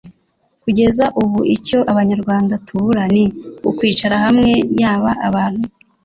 Kugeza ubu icyo abanyarwanda tubura ni ukwicara hamwe yaba abahutu